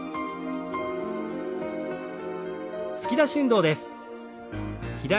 突き出し運動です。